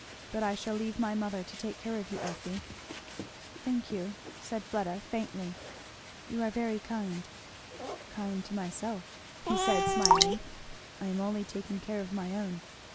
But I shall leave my mother to take care of you, Elfie." "Thank you," said Fleda faintly. "You are very kind " "Kind to myself," he said smiling. "I am only taking care of my own.